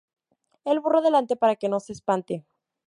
El burro delante, para que no se espante